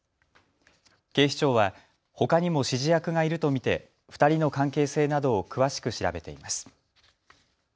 警視庁はほかにも指示役がいると見て２人の関係性などを詳しく調べています。